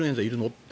って